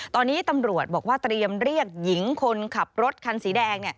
ตอนนี้ตำรวจบอกว่าเตรียมเรียกหญิงคนขับรถคันสีแดง